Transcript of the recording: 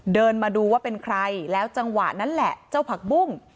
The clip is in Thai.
เดินมาดูว่าเป็นใครแล้วจังหวะนั้นแหละเจ้าผักบุ้ง